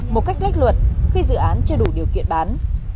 một cách lách luật khi dự án chưa đủ điều kiện bán